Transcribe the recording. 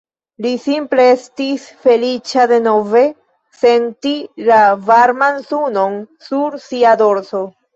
Li simple estis feliĉa denove senti la varman sunon sur sia dorso.